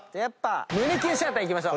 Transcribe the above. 胸キュンシアターいきましょう。